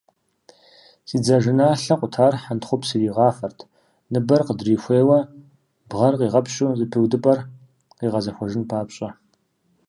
Зи дзажэналъэ къутар хьэнтхъупс ирагъафэрт ныбэр къыдрихуейуэ, бгъэр къигъэпщу зэпыудыпӏэр къигъэзахуэжын папщӏэ.